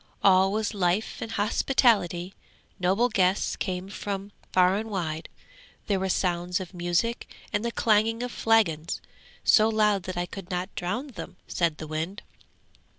All was life and hospitality; noble guests came from far and wide; there were sounds of music and the clanging of flagons, so loud that I could not drown them!' said the wind.